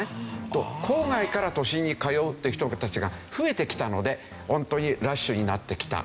郊外から都心に通うっていう人たちが増えてきたので本当にラッシュになってきた。